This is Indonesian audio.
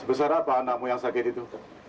besar apa anakmu yang sakit itu